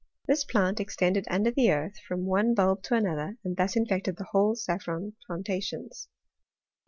This plant extended under the earth, from one bulb to another, and thus infected the whole saffron plantations.